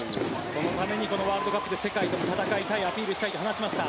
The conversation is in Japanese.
そのためにワールドカップで世界と戦いたいアピールしたいと話していました。